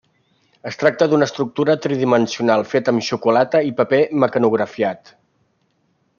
Es tracta d'una escultura tridimensional feta amb xocolata i paper mecanografiat.